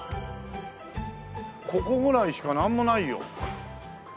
ここぐらいしかなんもないよ。